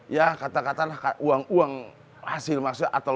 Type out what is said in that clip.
ya kata katanya uang uang hasil maksiat atau uang harian